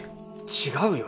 違うよ。